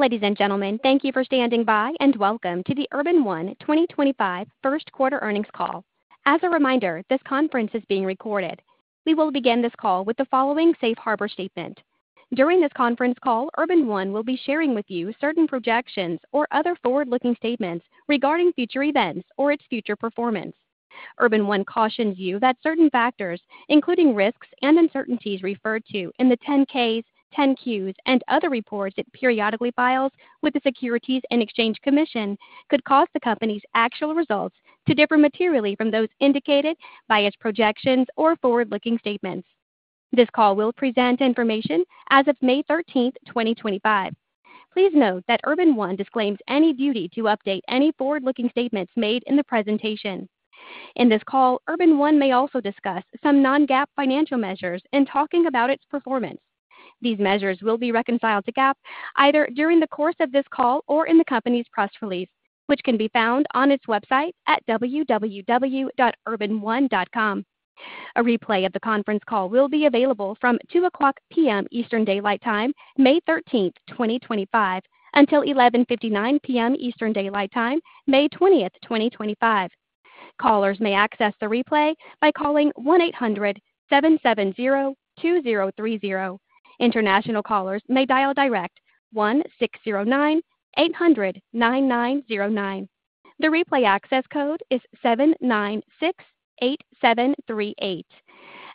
Please. Ladies and gentlemen, thank you for standing by and welcome to the Urban One 2025 first quarter earnings call. As a reminder, this conference is being recorded. We will begin this call with the following safe harbor statement. During this conference call, Urban One will be sharing with you certain projections or other forward-looking statements regarding future events or its future performance. Urban One cautions you that certain factors, including risks and uncertainties referred to in the 10-Ks, 10-Qs, and other reports it periodically files with the Securities and Exchange Commission, could cause the company's actual results to differ materially from those indicated by its projections or forward-looking statements. This call will present information as of May 13, 2025. Please note that Urban One disclaims any duty to update any forward-looking statements made in the presentation. In this call, Urban One may also discuss some non-GAAP financial measures in talking about its performance. These measures will be reconciled to GAAP either during the course of this call or in the company's press release, which can be found on its website at www.urbanone.com. A replay of the conference call will be available from 2:00 P.M. EDT, May 13, 2025, until 11:59 P.M. EDT, May 20, 2025. Callers may access the replay by calling 1-800-770-2030. International callers may dial direct 1-609-800-9909. The replay access code is 7968738.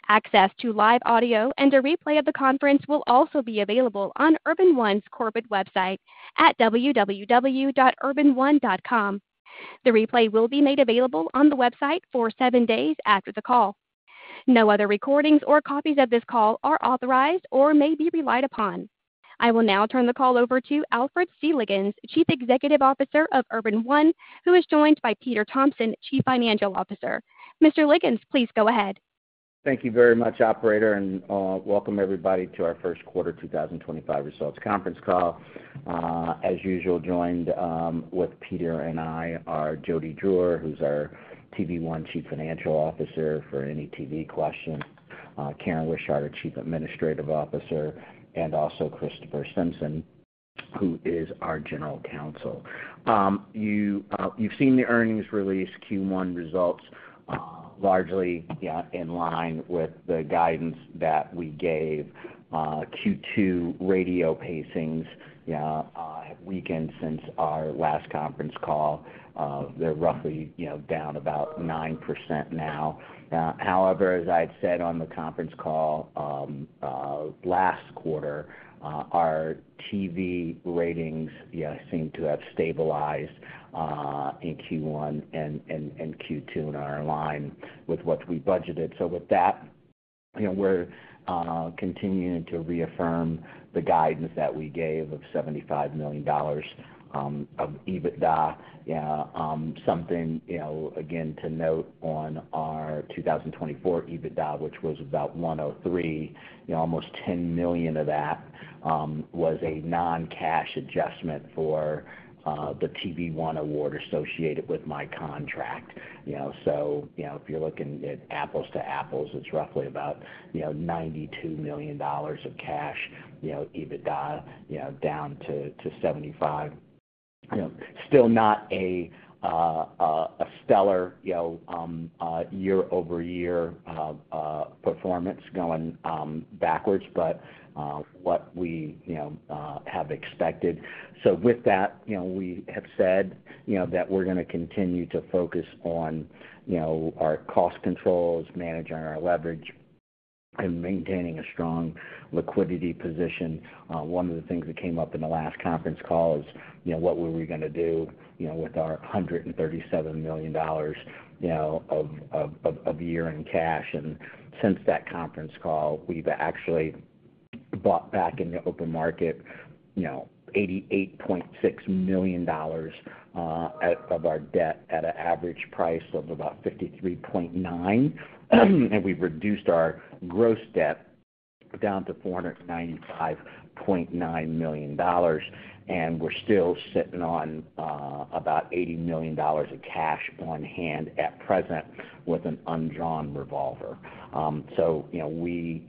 Access to live audio and a replay of the conference will also be available on Urban One's corporate website at www.urbanone.com. The replay will be made available on the website for seven days after the call. No other recordings or copies of this call are authorized or may be relied upon. I will now turn the call over to Alfred C. Liggins, Chief Executive Officer of Urban One, who is joined by Peter Thompson, Chief Financial Officer. Mr. Liggins, please go ahead. Thank you very much, Operator, and welcome everybody to our first quarter 2025 results conference call. As usual, joined with Peter and I are Jody Drewer, who's our TV One Chief Financial Officer for any TV questions, Karen Wishart, our Chief Administrative Officer, and also Christopher Simpson, who is our General Counsel. You've seen the earnings release. Q1 results largely in line with the guidance that we gave. Q2 radio pacings have weakened since our last conference call. They're roughly down about 9% now. However, as I had said on the conference call last quarter, our TV ratings seem to have stabilized in Q1 and Q2 in our line with what we budgeted. With that, we're continuing to reaffirm the guidance that we gave of $75 million of EBITDA. Something, again, to note on our 2024 EBITDA, which was about $103 million, almost $10 million of that was a non-cash adjustment for the TV One award associated with my contract. If you're looking at apples to apples, it's roughly about $92 million of cash EBITDA down to $75 million. Still not a stellar year-over-year performance going backwards, but what we have expected. With that, we have said that we're going to continue to focus on our cost controls, managing our leverage, and maintaining a strong liquidity position. One of the things that came up in the last conference call is what were we going to do with our $137 million of year-end cash. Since that conference call, we've actually bought back in the open market $88.6 million of our debt at an average price of about $53.9 million. We've reduced our gross debt down to $495.9 million. We're still sitting on about $80 million of cash on hand at present with an undrawn revolver. We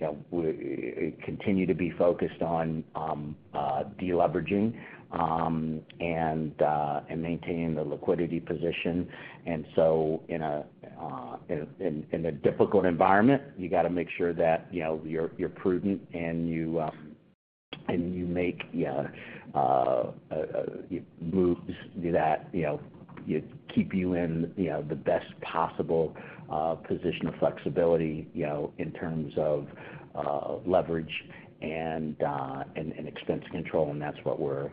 continue to be focused on deleveraging and maintaining the liquidity position. In a difficult environment, you have to make sure that you're prudent and you make moves that keep you in the best possible position of flexibility in terms of leverage and expense control. That's what we're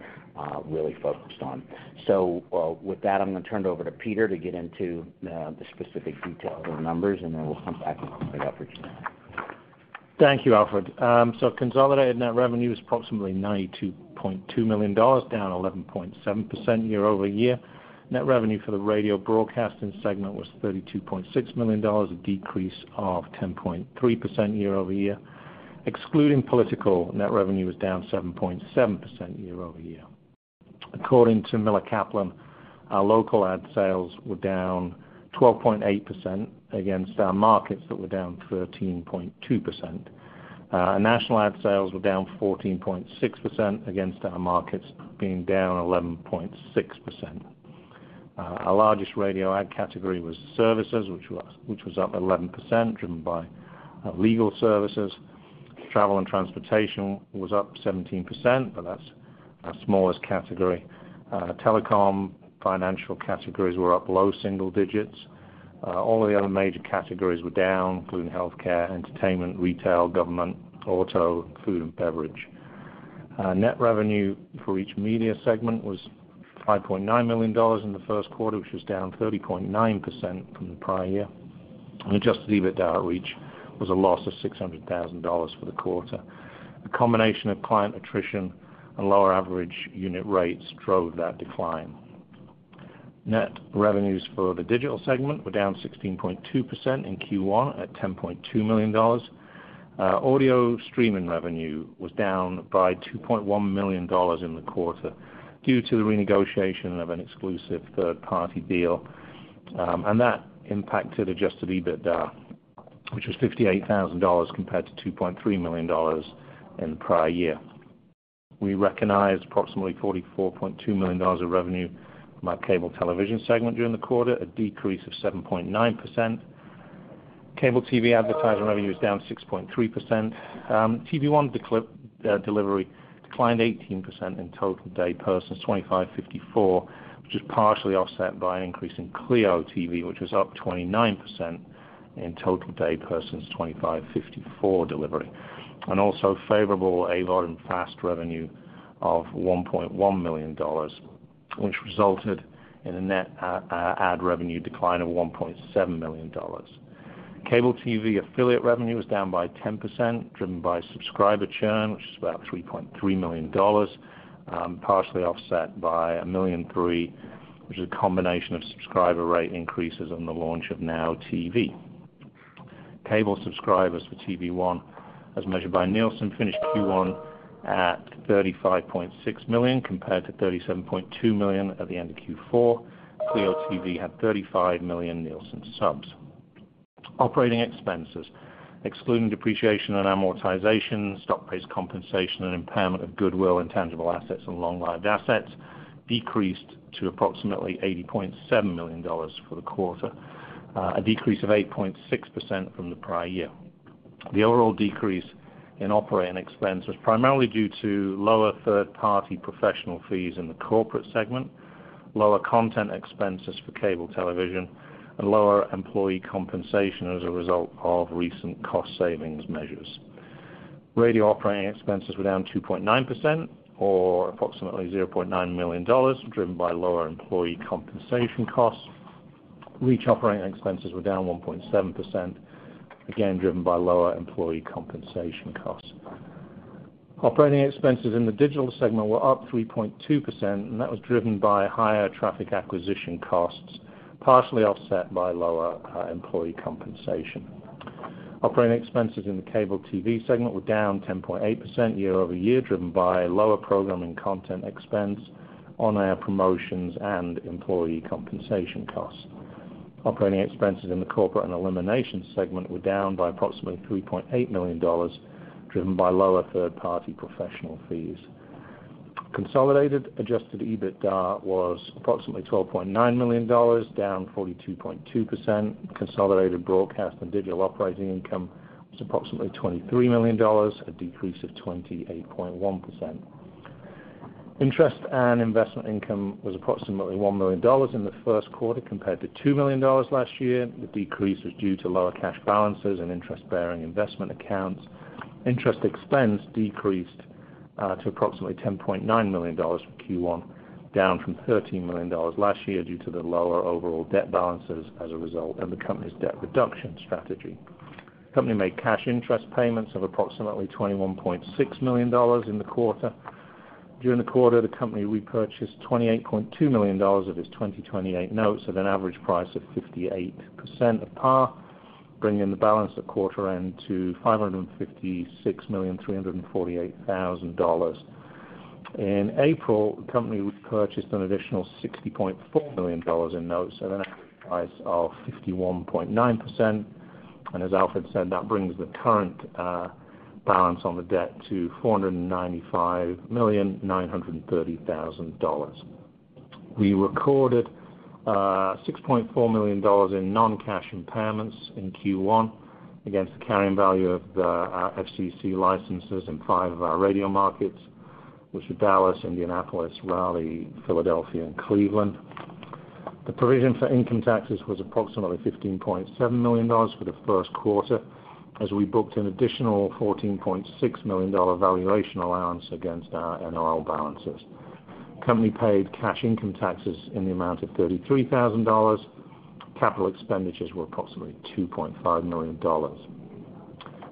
really focused on. With that, I'm going to turn it over to Peter to get into the specific details and numbers, and then we'll come back and pick up for tonight. Thank you, Alfred. Consolidated net revenue is approximately $92.2 million, down 11.7% year-over-year. Net revenue for the radio broadcasting segment was $32.6 million, a decrease of 10.3% year-over-year. Excluding political, net revenue was down 7.7% year-over-year. According to Miller Kaplan, our local ad sales were down 12.8% against our markets that were down 13.2%. Our national ad sales were down 14.6% against our markets, being down 11.6%. Our largest radio ad category was services, which was up 11%, driven by legal services. Travel and transportation was up 17%, but that is our smallest category. Telecom financial categories were up low single digits. All the other major categories were down, including healthcare, entertainment, retail, government, auto, food, and beverage. Net revenue for each media segment was $5.9 million in the first quarter, which was down 30.9% from the prior year. Adjusted EBITDA outreach was a loss of $600,000 for the quarter. A combination of client attrition and lower average unit rates drove that decline. Net revenues for the digital segment were down 16.2% in Q1 at $10.2 million. Audio streaming revenue was down by $2.1 million in the quarter due to the renegotiation of an exclusive third-party deal. That impacted adjusted EBITDA, which was $58,000 compared to $2.3 million in the prior year. We recognized approximately $44.2 million of revenue from our cable television segment during the quarter, a decrease of 7.9%. Cable TV advertising revenue was down 6.3%. TV One delivery declined 18% in total day persons 25-54, which was partially offset by an increase in CLEO TV, which was up 29% in total day persons 25-54 delivery. Also, favorable AVOD and FAST revenue of $1.1 million resulted in a net ad revenue decline of $1.7 million. Cable TV affiliate revenue was down by 10%, driven by subscriber churn, which was about $3.3 million, partially offset by $1.03 million, which was a combination of subscriber rate increases on the launch of Now TV. Cable subscribers for TV One, as measured by Nielsen, finished Q1 at 35.6 million compared to 37.2 million at the end of Q4. CLEO TV had 35 million Nielsen subs. Operating expenses, excluding depreciation and amortization, stock price compensation, and impairment of goodwill and tangible assets and long-lived assets, decreased to approximately $80.7 million for the quarter, a decrease of 8.6% from the prior year. The overall decrease in operating expenses was primarily due to lower third-party professional fees in the corporate segment, lower content expenses for cable television, and lower employee compensation as a result of recent cost savings measures. Radio operating expenses were down 2.9% or approximately $0.9 million, driven by lower employee compensation costs. Reach operating expenses were down 1.7%, again driven by lower employee compensation costs. Operating expenses in the digital segment were up 3.2%, and that was driven by higher traffic acquisition costs, partially offset by lower employee compensation. Operating expenses in the cable TV segment were down 10.8% year-over-year, driven by lower programming content expense, on-air promotions, and employee compensation costs. Operating expenses in the corporate and elimination segment were down by approximately $3.8 million, driven by lower third-party professional fees. Consolidated adjusted EBITDA was approximately $12.9 million, down 42.2%. Consolidated broadcast and digital operating income was approximately $23 million, a decrease of 28.1%. Interest and investment income was approximately $1 million in the first quarter compared to $2 million last year. The decrease was due to lower cash balances and interest-bearing investment accounts. Interest expense decreased to approximately $10.9 million for Q1, down from $13 million last year due to the lower overall debt balances as a result of the company's debt reduction strategy. Company made cash interest payments of approximately $21.6 million in the quarter. During the quarter, the company repurchased $28.2 million of its 2028 notes at an average price of 58% of par, bringing the balance at quarter-end to $556,348,000. In April, the company repurchased an additional $60.4 million in notes at an average price of 51.9%. As Alfred said, that brings the current balance on the debt to $495,930,000. We recorded $6.4 million in non-cash impairments in Q1 against the carrying value of the FCC licenses in five of our radio markets, which are Dallas, Indianapolis, Raleigh, Philadelphia, and Cleveland. The provision for income taxes was approximately $15.7 million for the first quarter, as we booked an additional $14.6 million valuation allowance against our NOL balances. Company paid cash income taxes in the amount of $33,000. Capital expenditures were approximately $2.5 million.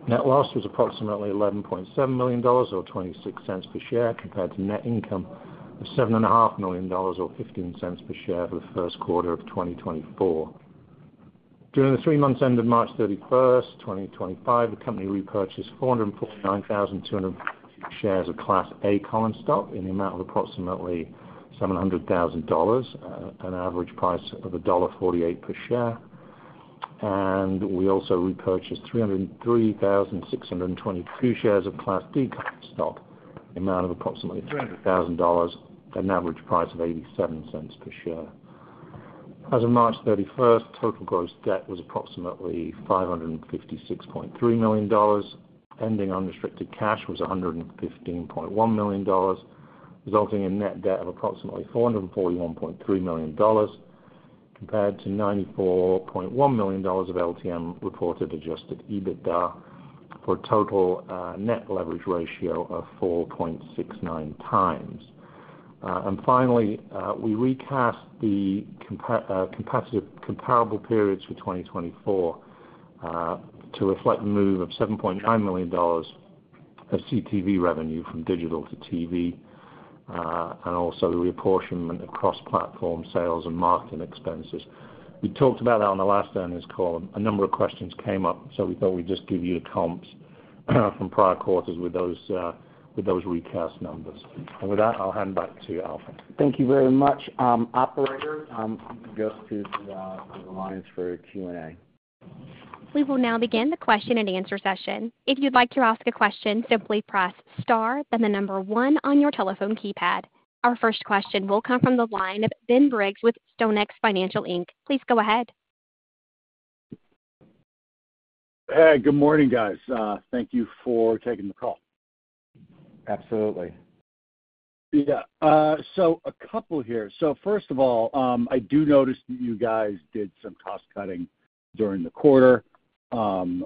Net loss was approximately $11.7 million or $0.26 per share compared to net income of $7.5 million or $0.15 per share for the first quarter of 2024. During the three months ended March 31, 2025, the company repurchased 449,250 shares of Class A common stock in the amount of approximately $700,000, an average price of $1.48 per share. We also repurchased 303,622 shares of Class D common stock, the amount of approximately $300,000, an average price of $0.87 per share. As of March 31, total gross debt was approximately $556.3 million. Ending unrestricted cash was $115.1 million, resulting in net debt of approximately $441.3 million compared to $94.1 million of LTM reported adjusted EBITDA for a total net leverage ratio of 4.69 times. Finally, we recast the comparable periods for 2024 to reflect the move of $7.9 million of CTV revenue from digital to TV and also the reapportionment across platform sales and marketing expenses. We talked about that on the last earnings call. A number of questions came up, so we thought we'd just give you the comps from prior quarters with those recast numbers. With that, I'll hand back to Alfred. Thank you very much, Operator. You can go to the lines for a Q&A. We will now begin the question and answer session. If you'd like to ask a question, simply press star, then the number one on your telephone keypad. Our first question will come from the line of Ben Briggs with StoneX Financial. Please go ahead. Hey, good morning, guys. Thank you for taking the call. Absolutely. Yeah. So a couple here. First of all, I do notice that you guys did some cost cutting during the quarter. Both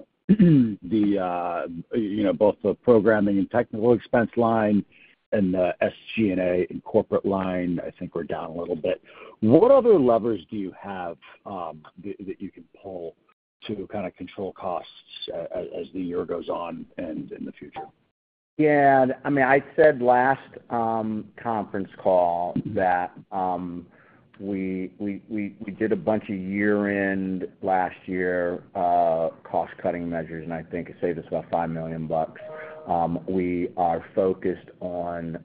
the programming and technical expense line and the SG&A and corporate line, I think, were down a little bit. What other levers do you have that you can pull to kind of control costs as the year goes on and in the future? Yeah. I mean, I said last conference call that we did a bunch of year-end last year cost-cutting measures, and I think I saved us about $5 million bucks. We are focused on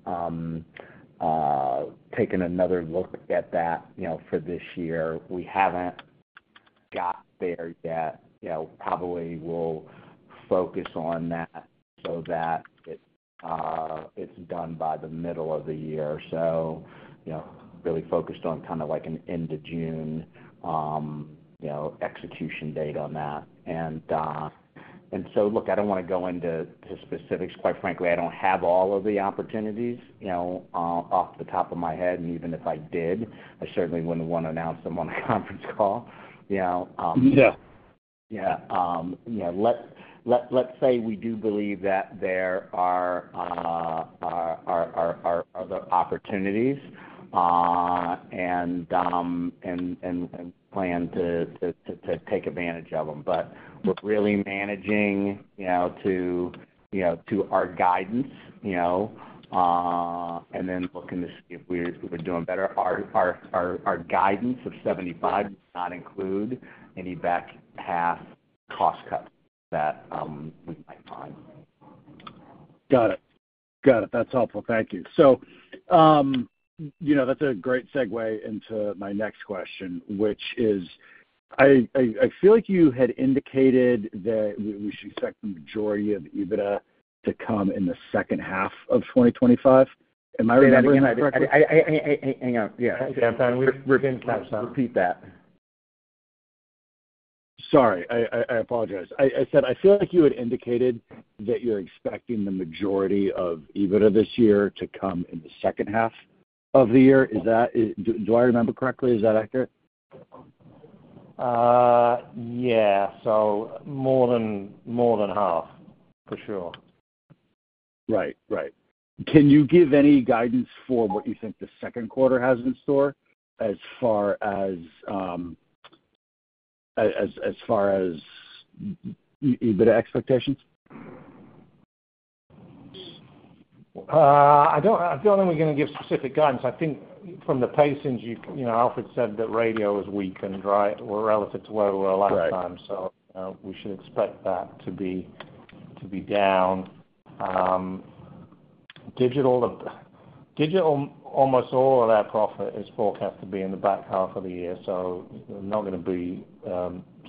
taking another look at that for this year. We haven't got there yet. Probably we'll focus on that so that it's done by the middle of the year. Really focused on kind of like an end-of-June execution date on that. I don't want to go into specifics. Quite frankly, I don't have all of the opportunities off the top of my head. Even if I did, I certainly wouldn't want to announce them on a conference call. Yeah. Yeah. Let's say we do believe that there are other opportunities and plan to take advantage of them. We're really managing to our guidance and then looking to see if we're doing better. Our guidance of $75 million does not include any back-half cost cuts that we might find. Got it. Got it. That's helpful. Thank you. That's a great segue into my next question, which is I feel like you had indicated that we should expect the majority of EBITDA to come in the second half of 2025. Am I right? Yeah. Hang on. Yeah. We're getting past that. Repeat that. Sorry. I apologize. I said I feel like you had indicated that you're expecting the majority of EBITDA this year to come in the second half of the year. Do I remember correctly? Is that accurate? Yeah. More than half, for sure. Right. Right. Can you give any guidance for what you think the second quarter has in store as far as EBITDA expectations? I don't think we're going to give specific guidance. I think from the pacing, Alfred said that radio is weakened, right, relative to where we were last time. So we should expect that to be down. Digital, almost all of that profit is forecast to be in the back half of the year. So not going to be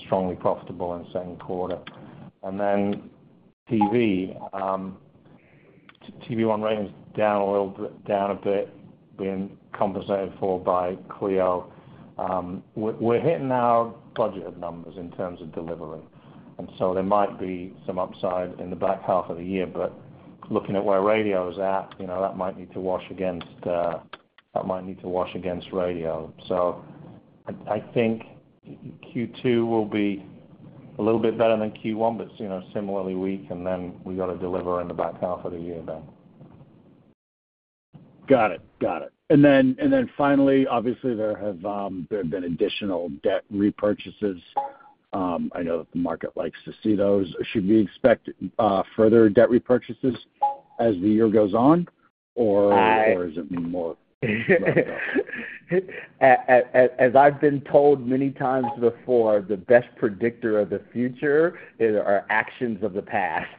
strongly profitable in the second quarter. And then TV. TV One rating's down a little bit, down a bit, being compensated for by CLEO. We're hitting our budgeted numbers in terms of delivery. And so there might be some upside in the back half of the year. But looking at where radio is at, that might need to wash against that might need to wash against radio. So I think Q2 will be a little bit better than Q1, but similarly weak. We got to deliver in the back half of the year then. Got it. Got it. Finally, obviously, there have been additional debt repurchases. I know that the market likes to see those. Should we expect further debt repurchases as the year goes on, or is it more? As I've been told many times before, the best predictor of the future are actions of the past.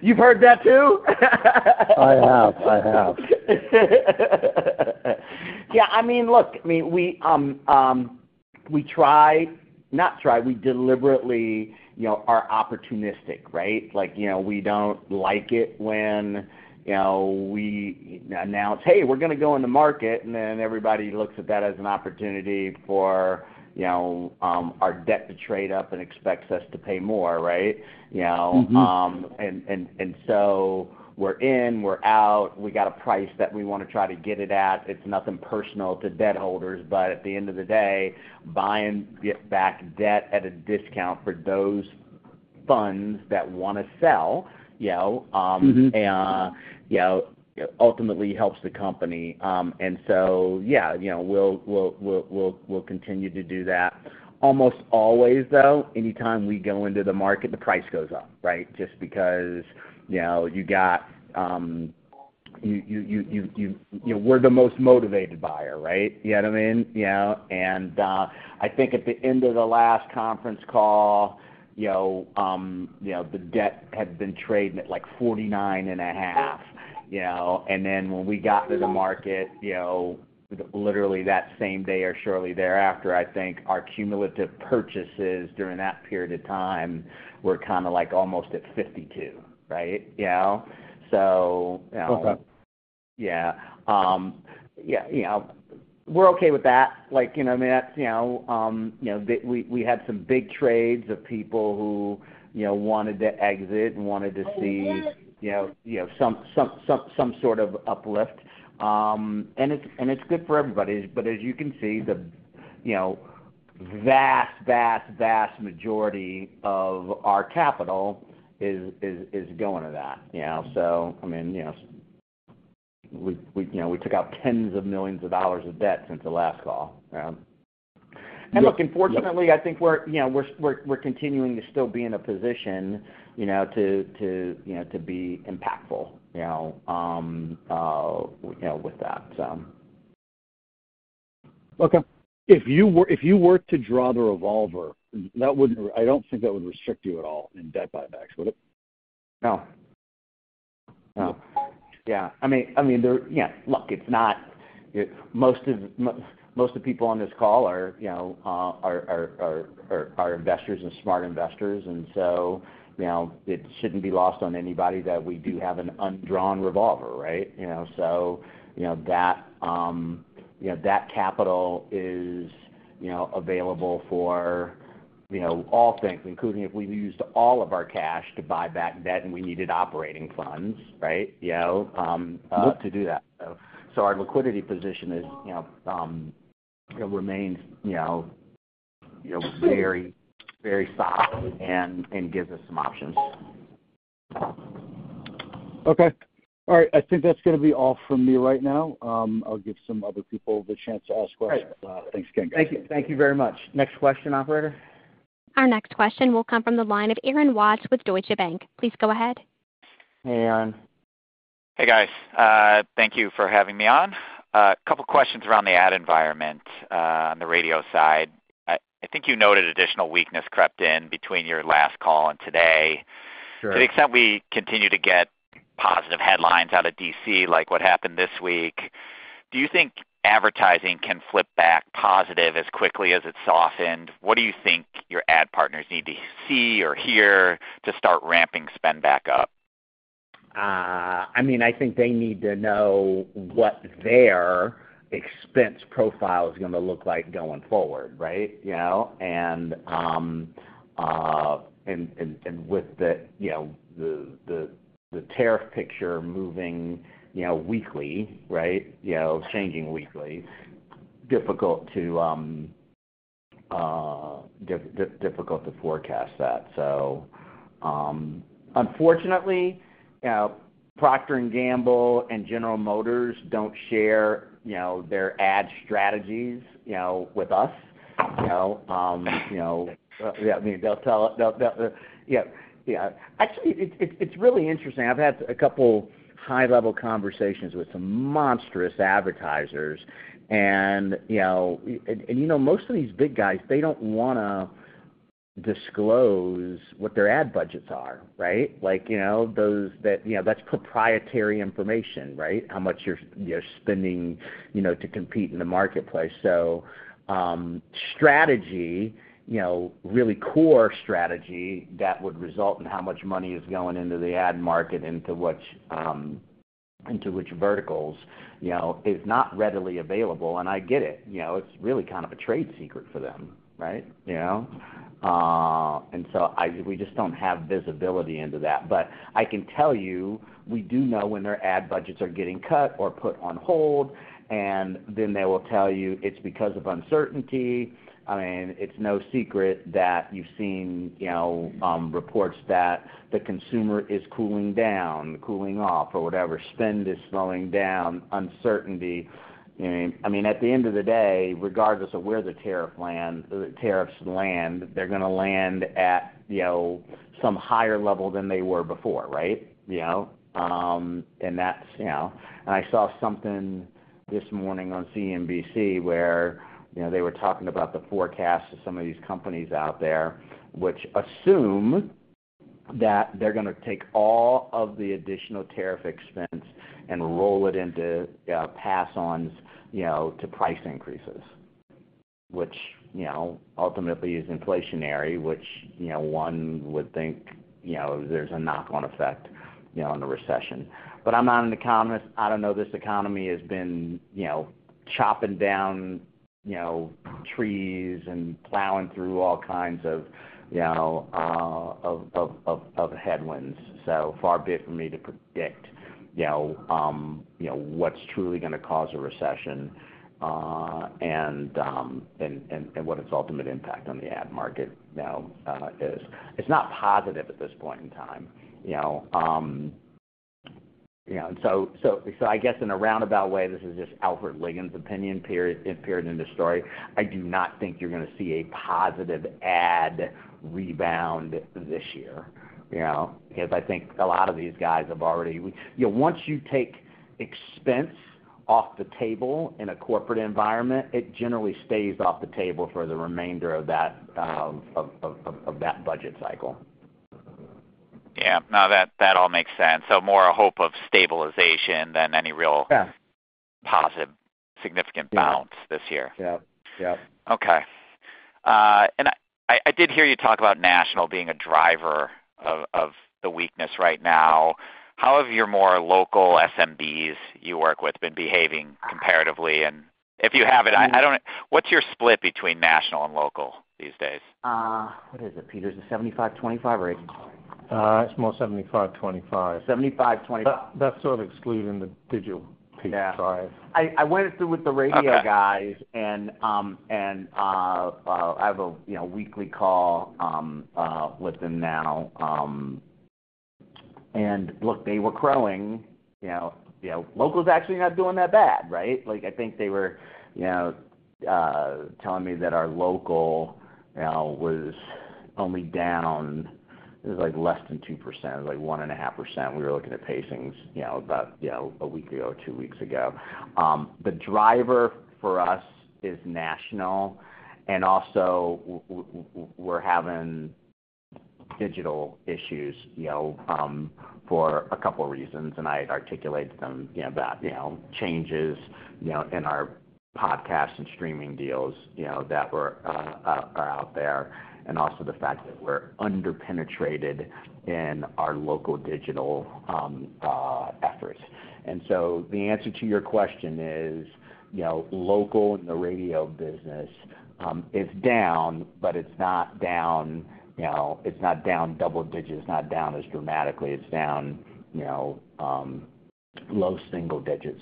You've heard that too? I have. Yeah. I mean, look, we try not try. We deliberately are opportunistic, right? We do not like it when we announce, "Hey, we are going to go in the market," and then everybody looks at that as an opportunity for our debt to trade up and expects us to pay more, right? We are in, we are out. We got a price that we want to try to get it at. It is nothing personal to debt holders. At the end of the day, buying back debt at a discount for those funds that want to sell ultimately helps the company. Yeah, we will continue to do that. Almost always, though, anytime we go into the market, the price goes up, right, just because we are the most motivated buyer, right? You know what I mean? I think at the end of the last conference call, the debt had been trading at like 49.5. When we got into the market, literally that same day or shortly thereafter, I think our cumulative purchases during that period of time were kind of like almost at 52, right? Yeah. We're okay with that. You know what I mean? We had some big trades of people who wanted to exit and wanted to see some sort of uplift. It's good for everybody. As you can see, the vast, vast, vast majority of our capital is going to that. I mean, we took out tens of millions of dollars of debt since the last call. Unfortunately, I think we're continuing to still be in a position to be impactful with that. Okay. If you were to draw the revolver, I don't think that would restrict you at all in debt buybacks, would it? No. No. Yeah. I mean, look, it's not most of the people on this call are investors and smart investors. It shouldn't be lost on anybody that we do have an undrawn revolver, right? That capital is available for all things, including if we used all of our cash to buy back debt and we needed operating funds, right, to do that. Our liquidity position remains very, very solid and gives us some options. Okay. All right. I think that's going to be all from me right now. I'll give some other people the chance to ask questions. Thanks again. Thank you very much. Next question, Operator? Our next question will come from the line of Aaron Watts with Deutsche Bank. Please go ahead. Hey, Aaron. Hey, guys. Thank you for having me on. A couple of questions around the ad environment on the radio side. I think you noted additional weakness crept in between your last call and today. To the extent we continue to get positive headlines out of DC, like what happened this week, do you think advertising can flip back positive as quickly as it's softened? What do you think your ad partners need to see or hear to start ramping spend back up? I mean, I think they need to know what their expense profile is going to look like going forward, right? With the tariff picture moving weekly, right, changing weekly, difficult to forecast that. Unfortunately, Procter & Gamble and General Motors do not share their ad strategies with us. I mean, they will tell it. Yeah. Yeah. Actually, it is really interesting. I have had a couple of high-level conversations with some monstrous advertisers. Most of these big guys do not want to disclose what their ad budgets are, right? That is proprietary information, right, how much you are spending to compete in the marketplace. Strategy, really core strategy that would result in how much money is going into the ad market, into which verticals, is not readily available. I get it. It is really kind of a trade secret for them, right? We just do not have visibility into that. I can tell you we do know when their ad budgets are getting cut or put on hold. They will tell you it is because of uncertainty. I mean, it is no secret that you have seen reports that the consumer is cooling down, cooling off, or whatever. Spend is slowing down, uncertainty. At the end of the day, regardless of where the tariffs land, they are going to land at some higher level than they were before, right? I saw something this morning on CNBC where they were talking about the forecast of some of these companies out there, which assume that they are going to take all of the additional tariff expense and roll it into pass-ons to price increases, which ultimately is inflationary, which one would think there is a knock-on effect on the recession. I'm not an economist. I don't know. This economy has been chopping down trees and plowing through all kinds of headwinds. So far, bit for me to predict what's truly going to cause a recession and what its ultimate impact on the ad market is. It's not positive at this point in time. I guess in a roundabout way, this is just Alfred Liggins' opinion, period, end of story. I do not think you're going to see a positive ad rebound this year, because I think a lot of these guys have already, once you take expense off the table in a corporate environment, it generally stays off the table for the remainder of that budget cycle. Yeah. No, that all makes sense. So more a hope of stabilization than any real positive, significant bounce this year. Yeah. Yeah. Okay. I did hear you talk about national being a driver of the weakness right now. How have your more local SMBs you work with been behaving comparatively? If you have not, what is your split between national and local these days? What is it, Peter? Is it 75/25 or 85? It's more 75/25. 75/25. That's sort of excluding the digital piece. Sorry. I went through with the radio guys, and I have a weekly call with them now. Look, they were crowing. Local's actually not doing that bad, right? I think they were telling me that our local was only down less than 2%, like 1.5%. We were looking at pacings about a week ago or two weeks ago. The driver for us is national. Also, we're having digital issues for a couple of reasons. I'd articulate them about changes in our podcast and streaming deals that are out there. Also the fact that we're underpenetrated in our local digital efforts. The answer to your question is local and the radio business is down, but it's not down double digits. It's not down as dramatically. It's down low single digits.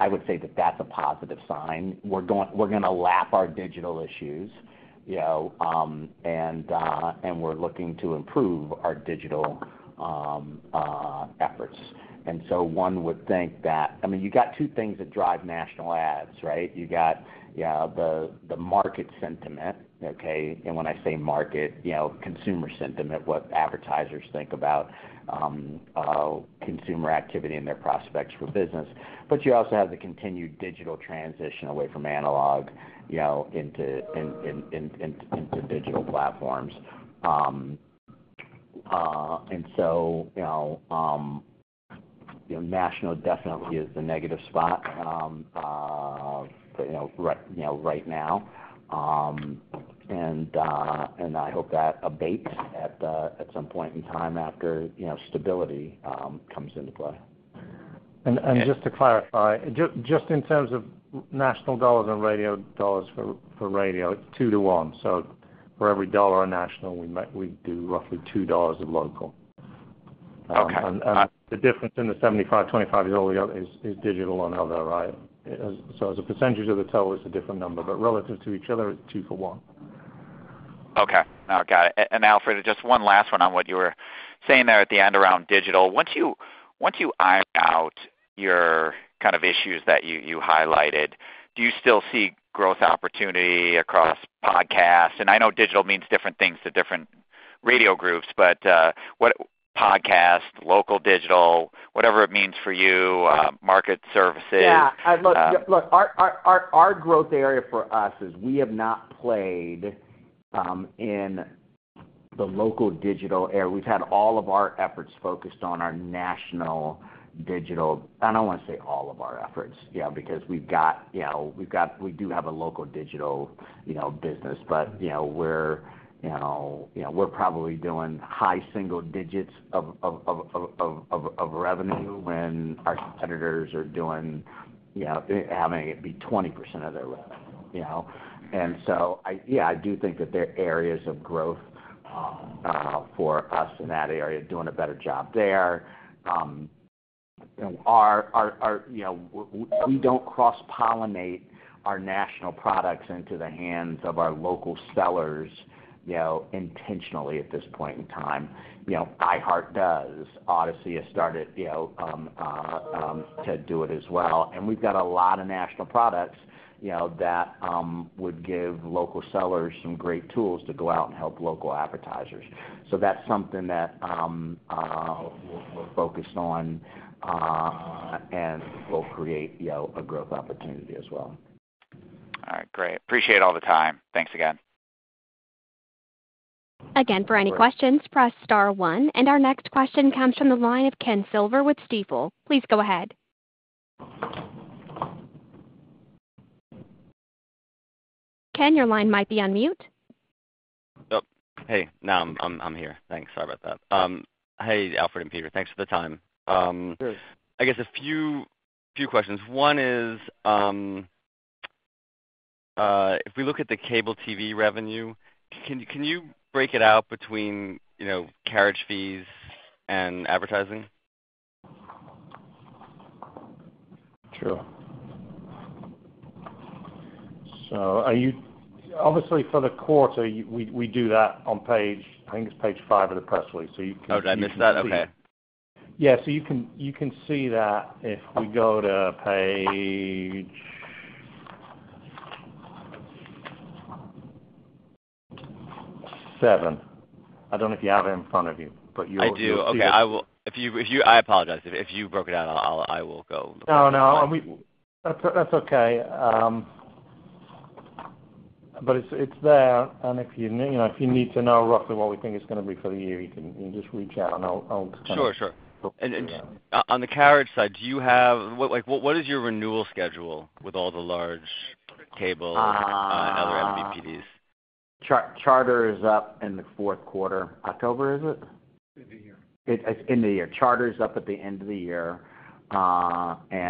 I would say that that's a positive sign. We're going to lap our digital issues, and we're looking to improve our digital efforts. One would think that, I mean, you got two things that drive national ads, right? You got the market sentiment, okay? When I say market, consumer sentiment, what advertisers think about consumer activity and their prospects for business. You also have the continued digital transition away from analog into digital platforms. National definitely is the negative spot right now. I hope that abates at some point in time after stability comes into play. Just to clarify, just in terms of national dollars and radio dollars for radio, it is 2 to 1. For every dollar on national, we do roughly $2 of local. The difference in the 75/25 is all the other is digital and other, right? As a percentage of the total, it is a different number. Relative to each other, it is 2 to 1. Okay. Got it. Alfred, just one last one on what you were saying there at the end around digital. Once you iron out your kind of issues that you highlighted, do you still see growth opportunity across podcasts? I know digital means different things to different radio groups, but podcast, local digital, whatever it means for you, market services. Yeah. Look, our growth area for us is we have not played in the local digital area. We've had all of our efforts focused on our national digital. I don't want to say all of our efforts because we do have a local digital business, but we're probably doing high single digits of revenue when our competitors are having it be 20% of their revenue. Yeah, I do think that there are areas of growth for us in that area doing a better job there. We don't cross-pollinate our national products into the hands of our local sellers intentionally at this point in time. iHeart does. Audacy has started to do it as well. We've got a lot of national products that would give local sellers some great tools to go out and help local advertisers. That is something that we are focused on and will create a growth opportunity as well. All right. Great. Appreciate all the time. Thanks again. Again, for any questions, press star one. Our next question comes from the line of Ken Silver with Stifel. Please go ahead. Ken, your line might be on mute. Yep. Hey. No, I'm here. Thanks. Sorry about that. Hey, Alfred and Peter. Thanks for the time. I guess a few questions. One is, if we look at the cable TV revenue, can you break it out between carriage fees and advertising? Sure. So obviously, for the quarter, we do that on page—I think it's page five of the press release. So you can. Oh, did I miss that? Okay. Yeah. You can see that if we go to page seven. I do not know if you have it in front of you, but you will see it. I do. Okay. I apologize. If you broke it out, I will go look at it. No, no. That's okay. It is there. If you need to know roughly what we think it is going to be for the year, you can just reach out and I'll explain. Sure. Sure. On the carriage side, do you have what is your renewal schedule with all the large cable and other MVPDs? Charter is up in the fourth quarter. October is it? It's in the year. It's in the year. Charter is up at the end of the year. Verizon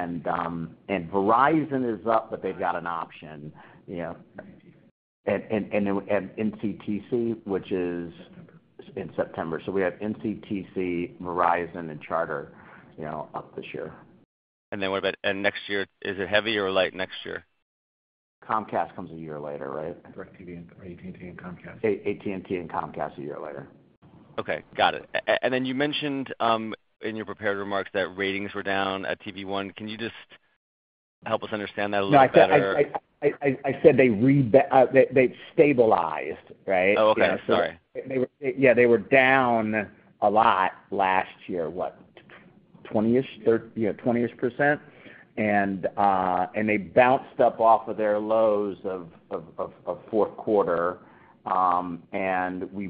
is up, but they've got an option. NCTC, which is in September. We have NCTC, Verizon, and Charter up this year. What about next year? Is it heavy or light next year? Comcast comes a year later, right? DirecTV and AT&T and Comcast. AT&T and Comcast a year later. Okay. Got it. You mentioned in your prepared remarks that ratings were down at TV One. Can you just help us understand that a little better? No, I said they stabilized, right? Oh, okay. Sorry. Yeah. They were down a lot last year, what, 20%? They bounced up off of their lows of fourth quarter. I think we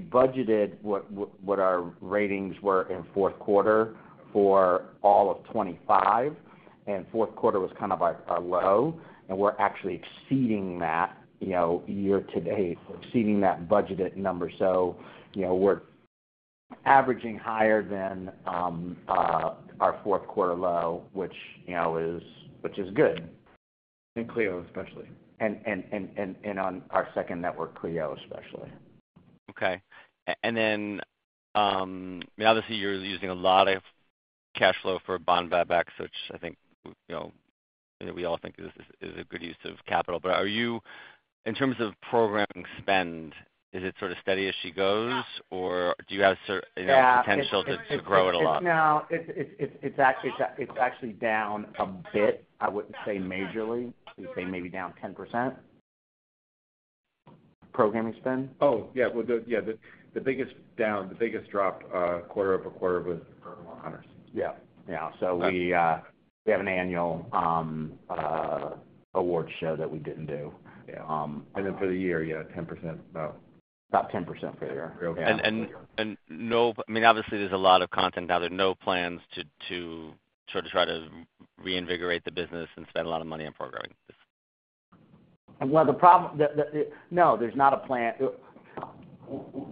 budgeted what our ratings were in fourth quarter for all of 2025. Fourth quarter was kind of our low. We're actually exceeding that year to date, exceeding that budgeted number. We're averaging higher than our fourth quarter low, which is good. Cleo, especially. On our second network, CLEO TV, especially. Okay. Obviously, you're using a lot of cash flow for bond buybacks, which I think we all think is a good use of capital. In terms of programming spend, is it sort of steady as she goes, or do you have potential to grow it a lot? No, it's actually down a bit. I wouldn't say majorly. We'd say maybe down 10%. Programming spend? Oh, yeah. Yeah. The biggest drop quarter over quarter was for Vermont Honors. Yeah. Yeah. We have an annual awards show that we did not do. For the year, yeah, 10%. About 10% for the year. I mean, obviously, there's a lot of content out there. No plans to sort of try to reinvigorate the business and spend a lot of money on programming? There is not a plan.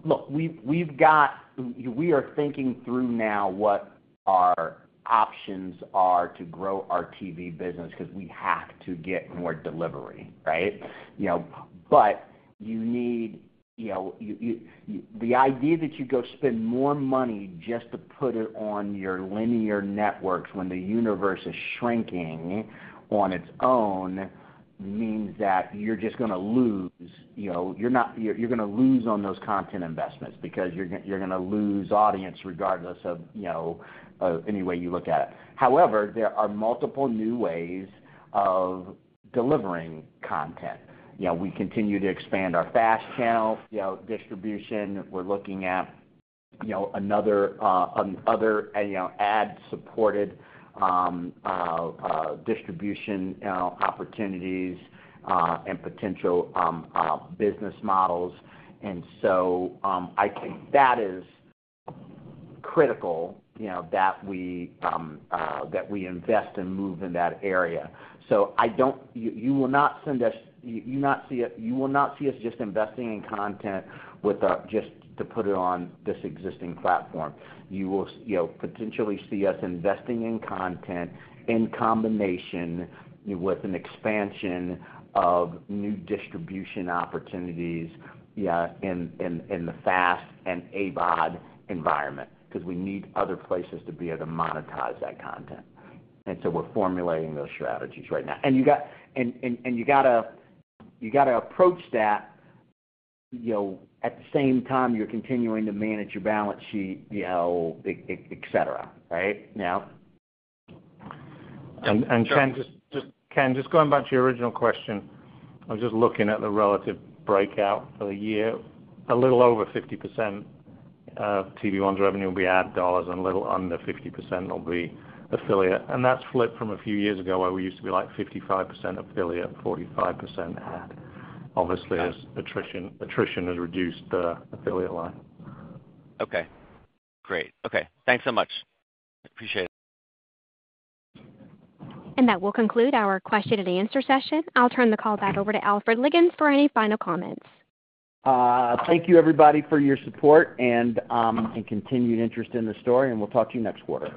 Look, we are thinking through now what our options are to grow our TV business because we have to get more delivery, right? You need the idea that you go spend more money just to put it on your linear networks when the universe is shrinking on its own means that you are just going to lose, you are going to lose on those content investments because you are going to lose audience regardless of any way you look at it. However, there are multiple new ways of delivering content. We continue to expand our FAST channel distribution. We are looking at other ad-supported distribution opportunities and potential business models. I think that is critical that we invest and move in that area. You will not see us just investing in content just to put it on this existing platform. You will potentially see us investing in content in combination with an expansion of new distribution opportunities in the FAST and AVOD environment because we need other places to be able to monetize that content. We are formulating those strategies right now. You have to approach that at the same time you are continuing to manage your balance sheet, etc., right? Just going back to your original question, I'm just looking at the relative breakout for the year. A little over 50% of TV One's revenue will be ad dollars and a little under 50% will be affiliate. That's flipped from a few years ago where we used to be like 55% affiliate, 45% ad. Obviously, as attrition has reduced the affiliate line. Okay. Great. Okay. Thanks so much. Appreciate it. That will conclude our question and answer session. I'll turn the call back over to Alfred Liggins for any final comments. Thank you, everybody, for your support and continued interest in the story. We will talk to you next quarter.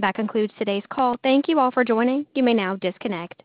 That concludes today's call. Thank you all for joining. You may now disconnect.